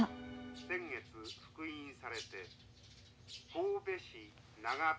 「先月復員されて神戸市」。